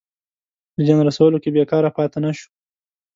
په زیان رسولو کې بېکاره پاته نه شو.